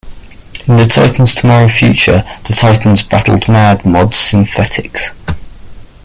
In the Titans Tomorrow future the Titans battled Mad Mod's synthetics.